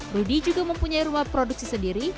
rudy juga mempunyai rumah produksi sendiri